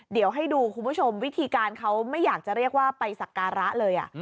เดี๋ยวให้ดูคุณผู้ชมวิธีการเขาไม่อยากจะเรียกว่าไปสักการะเลย